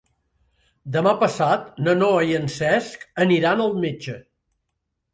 Demà passat na Noa i en Cesc aniran al metge.